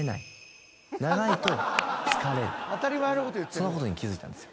そのことに気付いたんですよ。